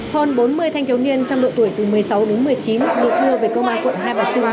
hơn bốn mươi thanh thiếu niên trong độ tuổi từ một mươi sáu đến một mươi chín được đưa về công an quận hai bà trương an